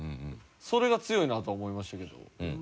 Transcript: それが強いなと思いましたけど。